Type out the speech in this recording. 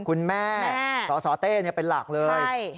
คุณแม่แม่สาวสาวเต้เนี่ยเป็นหลักเลยใช่